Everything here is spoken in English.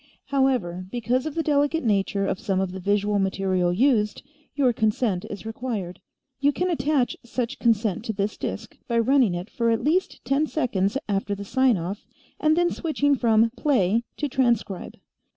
"However, because of the delicate nature of some of the visual material used, your consent is required. You can attach such consent to this disk by running it for at least ten seconds after the sign off and then switching from 'Play' to 'Transcribe.'